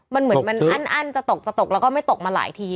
มันเหมือนมันอั้นจะตกจะตกแล้วก็ไม่ตกมาหลายที